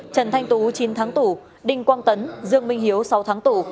trần thanh tú chín tháng tù đinh quang tấn dương minh hiếu sáu tháng tù